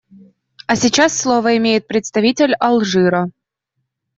А сейчас слово имеет представитель Алжира.